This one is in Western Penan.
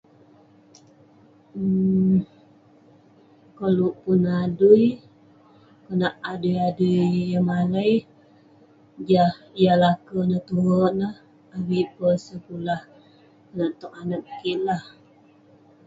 Koluek pun adui konak adui-adui yah malai jah lake ineh avik peh sekulah konak tok anak kik ineh lah